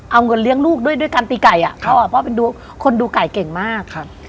เอาเงินเลี้ยงลูกด้วยการตีไก่พ่อเป็นคนดูไก่เก่งมาก